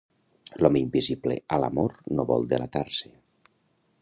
L'home invisible a l'amor no vol delatar-se.